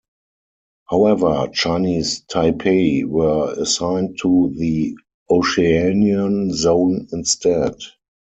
However, Chinese Taipei were assigned to the Oceanian zone instead.